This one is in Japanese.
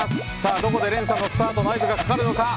どこで連鎖のスタートの合図がかかるのか。